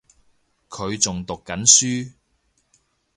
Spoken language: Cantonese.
佢仲讀緊書